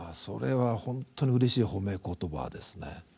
それは本当にうれしい褒め言葉ですね。